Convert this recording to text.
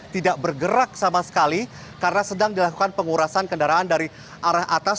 tidak bergerak sama sekali karena sedang dilakukan pengurasan kendaraan dari arah atas